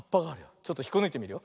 ちょっとひっこぬいてみるよ。